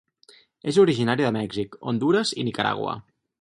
És originari de Mèxic, Hondures, i Nicaragua.